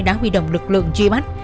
đã huy động lực lượng truy bắt